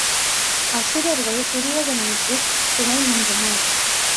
அசுரர்கள் துரியனுக்குத் துணை நின்றனர்.